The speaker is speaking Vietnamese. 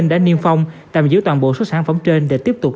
đã niêm phong tạm giữ toàn bộ số sản phẩm trên để tiếp tục